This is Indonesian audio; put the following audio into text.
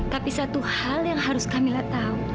tapi satu hal yang harus kamilah tahu